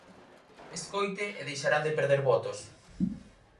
Escoite e deixarán de perder votos.